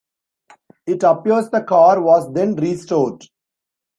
It appears the car was then restored.